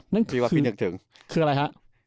นั่นคือคืออะไรฮะ